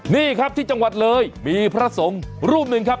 นี่ครับที่จังหวัดเลยมีพระสงฆ์รูปหนึ่งครับ